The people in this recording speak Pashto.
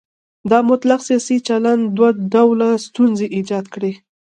دا مطلق سیاسي چلن دوه ډوله ستونزې ایجاد کړي.